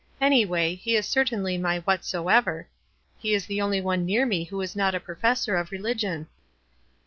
Anyway, he is certainly my 'Whatso ever.' He is the only one near me who is not a professor of religion."